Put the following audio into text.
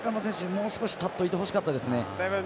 もう少し立っていてほしかったです。